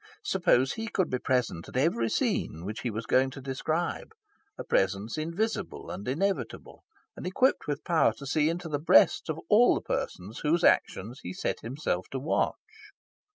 Suppose he could be present at every scene which he was going to describe, a presence invisible and inevitable, and equipped with power to see into the breasts of all the persons whose actions he set himself to watch...